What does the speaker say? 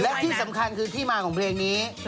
และที่สำคัญคือที่มาของเพลงนี้